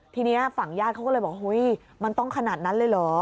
ทีนี้ฝั่งญาติเขาก็เลยบอกเฮ้ยมันต้องขนาดนั้นเลยเหรอ